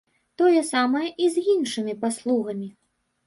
Тое самае і з іншымі паслугамі.